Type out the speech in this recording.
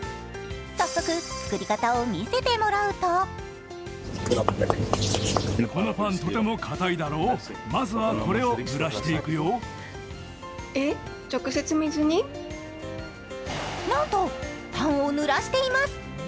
早速、作り方を見せてもらうとなんと、パンをぬらしています。